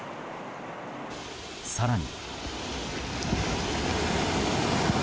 更に。